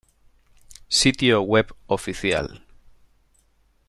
Sitio Web Oficial.